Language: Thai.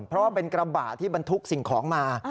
เพราะว่าเป็นกระบะที่บรรทุกสิ่งของมา